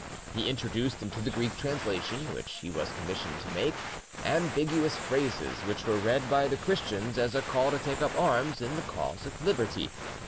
He introduced into the Greek translation which he was commissioned to make, ambiguous phrases which were read by the Christians as a call to take up arms in the cause of liberty.